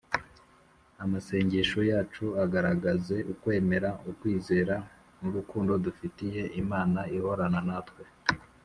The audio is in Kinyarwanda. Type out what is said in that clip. Amasengesho yacu agaragaze ukwemere, ukwizera nu rukundo dufitiye Imana ihorana natwe